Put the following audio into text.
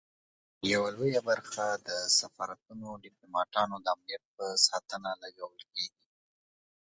یوه لویه برخه د سفارتونو او ډیپلوماټانو د امنیت په ساتنه لګول کیږي.